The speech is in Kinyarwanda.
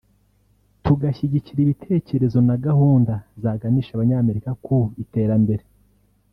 tugashyigikira ibitekerezo na gahunda zaganisha Abanyamerika ku iterambere